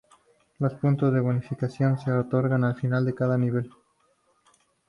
Los puntos de bonificación se otorgan al final de cada nivel.